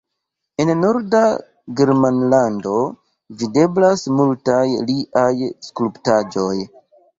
En Norda Germanlando videblas multaj liaj skulptaĵoj.